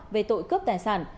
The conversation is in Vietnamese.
về tội cướp tài sản